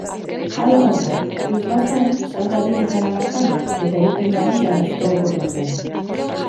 Hala bazan, ez bazan, sar dadila kalabazan eta irten dadila lazkaoko plazan.